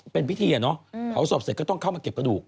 เป็นพิธีอ่ะเนอะเผาศพเสร็จก็ต้องเข้ามาเก็บกระดูก